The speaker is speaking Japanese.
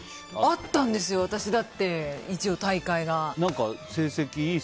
あったんですよ、私だって大会が。